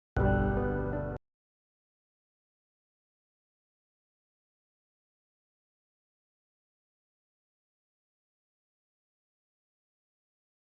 สวัสดีครับ